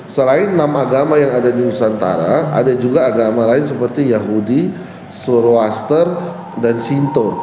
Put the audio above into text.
selain enam agama yang ada di nusantara ada juga agama lain seperti yahudi suroaster dan sinto